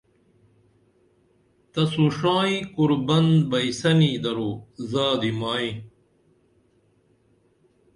تسو ݜائیں قربن بئین یسنی درو زادی مائی